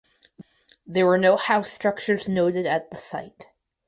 There were no house structures noted at the site.